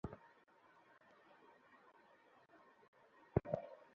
কেউ কোথাও যাচ্ছে না!